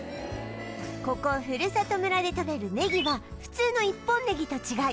ここふるさと村で食べるネギは普通の一本ネギと違い